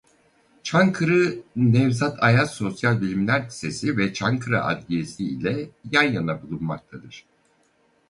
Çankırı Nevzat Ayaz Sosyal Bilimler Lisesi ve Çankırı Adliyesi ile yan yana bulunmaktadır.